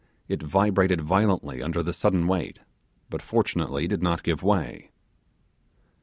It vibrated violently under the sudden weight, but fortunately did not give way.